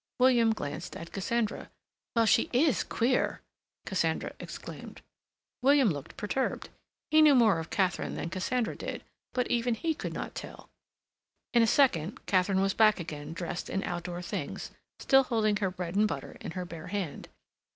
William glanced at Cassandra. "Well, she IS queer!" Cassandra exclaimed. William looked perturbed. He knew more of Katharine than Cassandra did, but even he could not tell—. In a second Katharine was back again dressed in outdoor things, still holding her bread and butter in her bare hand.